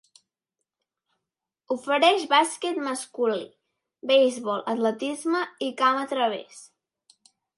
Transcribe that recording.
Ofereix bàsquet masculí, beisbol, atletisme i camp a través.